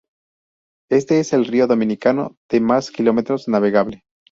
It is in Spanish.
Este es el río dominicano de más kilómetros navegable.